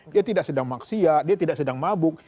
dia tidak sedang maksiat dia tidak sedang mabuk